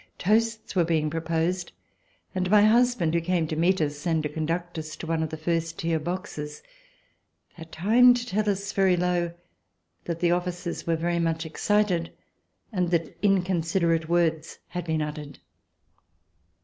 Toasts were being proposed, and my husband, who came to meet us and to conduct us to one of the first tier boxes, had time to tell us very low that the officers were very much excited and that in considerate words had been uttered.